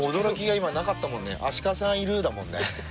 「あっ鹿さんいる」だもんね。